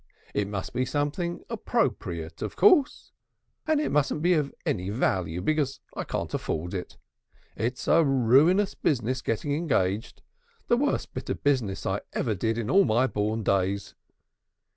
It must be something appropriate, of course, and it mustn't be of any value, because I can't afford it. It's a ruinous business getting engaged; the worst bit of business I ever did in all my born days."